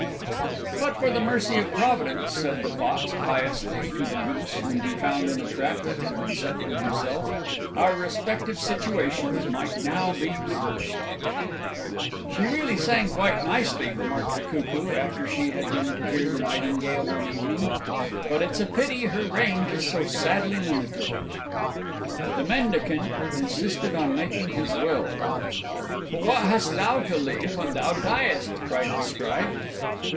"But for the Mercy of Providence," said the Fox, piously, to the Goose whom he found in a trap that had been set for himself, "our respective situations might now be reversed!" "She really sang quite nicely," remarked the Cuckoo, after she had been to hear the Nightingale one evening, "but it's a pity her range is so sadly limited!" The Mendicant insisted on making his Will: "But what hast thou to leave when thou diest?" cried the Scribe.